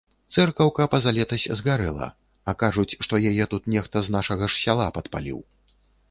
Цэркаўка пазалетась згарэла, а кажуць, што яе тут нехта з нашага ж сяла падпаліў.